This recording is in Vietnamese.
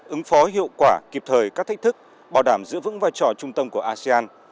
ứng phó hiệu quả kịp thời các thách thức bảo đảm giữ vững vai trò trung tâm của asean